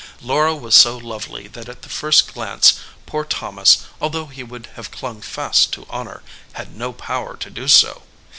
Laura was so lovely that at the first glance poor Thomas, although he would have clung fast to honor, had no power to do so.